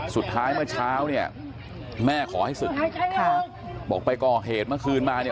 สุดท้ายเมื่อเช้าเนี่ยแม่ขอให้ศึกบอกไปก่อเหตุเมื่อคืนมาเนี่ย